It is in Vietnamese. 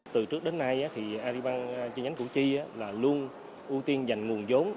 từ trước đến nay arribang chi nhánh củ chi là luôn ưu tiên dành nguồn giống